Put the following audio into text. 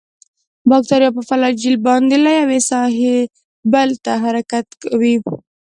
باکتریا په فلاجیل باندې له یوې ساحې بلې ته حرکت کوي.